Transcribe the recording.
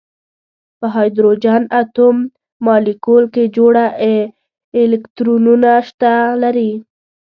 په هایدروجن اتوم مالیکول کې جوړه الکترونونه شتون لري.